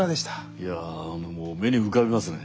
いやあのもう目に浮かびますね。